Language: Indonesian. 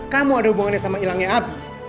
kamu ada hubungannya sama ilangnya abi